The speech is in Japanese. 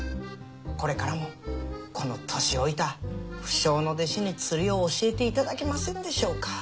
これからもこの年老いた不肖の弟子に釣りを教えていただけませんでしょうか？